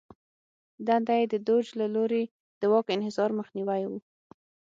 دنده یې د دوج له لوري د واک انحصار مخنیوی و